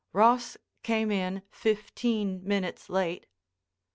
Ross came in fifteen minutes late.